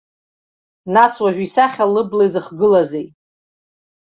Нас уажә исахьа лыбла изыхгылазеи?